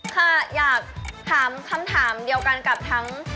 ค่ะอยากถามคำถามเดียวกันกับทั้ง